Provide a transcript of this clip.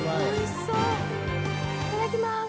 いただきます。